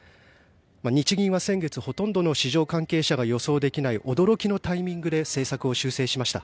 日銀は先月ほとんどの市場関係者が予想できない驚きのタイミングで政策を修正しました。